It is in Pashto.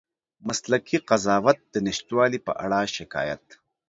مسلکي قضاوت د نشتوالي په اړه شکایت